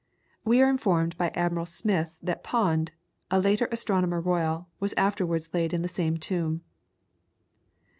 We are informed by Admiral Smyth that Pond, a later Astronomer Royal, was afterwards laid in the same tomb.